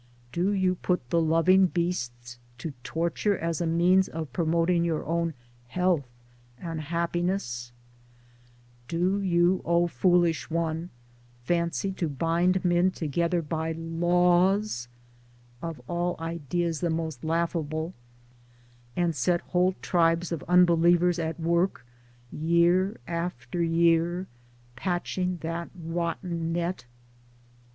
Do you put the loving beasts to torture as a means of promoting your own health and hap piness ? Do you, O foolishest one, fancy to bind men together by Laws (of all ideas the most laughable), and set whole tribes of unbelievers at work year after year patching that rotten net